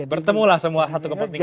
bertemu lah semua satu kepentingan itu